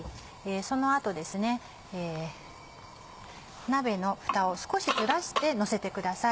その後ですね鍋のふたを少しずらしてのせてください。